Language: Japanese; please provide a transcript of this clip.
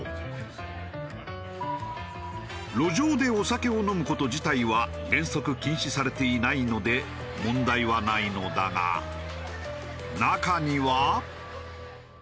路上でお酒を飲む事自体は原則禁止されていないので問題はないのだが中には。